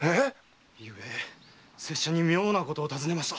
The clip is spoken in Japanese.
昨夜拙者に妙なことを尋ねました。